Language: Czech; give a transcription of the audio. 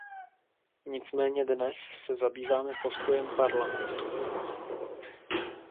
Nicméně dnes se zabýváme postojem Parlamentu.